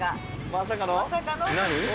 まさかの？